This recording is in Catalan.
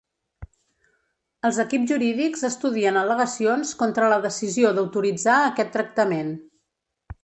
Els equips jurídics estudien al·legacions contra la decisió d’autoritzar aquest tractament.